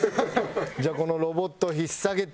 じゃあこの『ロボット』を引っ提げて。